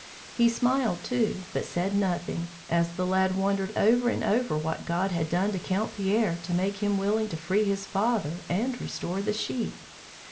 He smiled, too, but said nothing, as the lad wondered over and over what God had done to Count Pierre, to make him willing to free his father and restore the sheep!